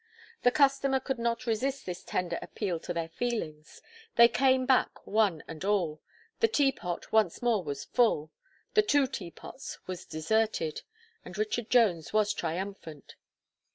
The customers could not resist this tender appeal to their feelings; they came back one and all the Teapot once more was full the two Teapots was deserted; and Richard Jones was triumphant.